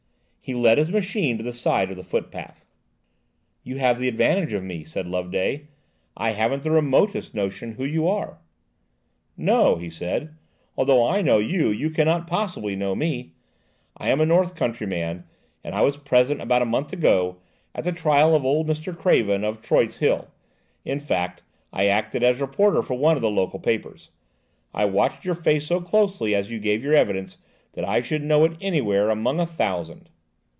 He led his machine to the side of the footpath. "You have the advantage of me," said Loveday; "I haven't the remotest notion who you are." "No," he said; "although I know you, you cannot possibly know me. I am a north country man, and I was present, about a month ago, at the trial of old Mr. Craven, of Troyte's Hill–in fact, I acted as reporter for one of the local papers. I watched your face so closely as you gave your evidence that I should know it anywhere, among a thousand."